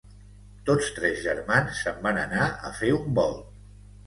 Tots tres germans se'n van anar a fer un volt.